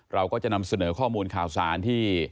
เราก็จะนำเสนอข้อมูลข่าวสารที่